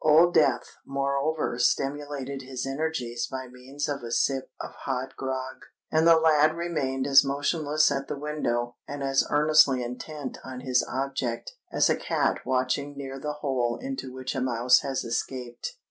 Old Death moreover stimulated his energies by means of a sip of hot grog; and the lad remained as motionless at the window and as earnestly intent on his object as a cat watching near the hole into which a mouse has escaped.